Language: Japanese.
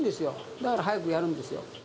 だから早くやるんですよ。